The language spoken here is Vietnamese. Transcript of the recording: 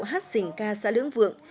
hát sinh ca xã lưỡng vượng